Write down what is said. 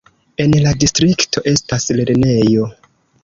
En la distrikto estas lernejo.